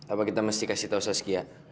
apa kita mesti kasih tau soski ya